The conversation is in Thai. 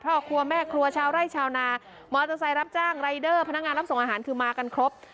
ครอบครัวแม่ครัวชาวไร่ชาวนามอเตอร์ไซค์รับจ้างรายเดอร์พนักงานรับส่งอาหารคือมากันครบ